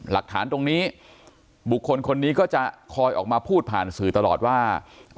หลักฐานตรงนี้บุคคลคนนี้ก็จะคอยออกมาพูดผ่านสื่อตลอดว่า